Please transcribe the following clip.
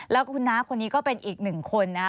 แล้วก็คุณน้าคนนี้ก็เป็นอีกหนึ่งคนนะ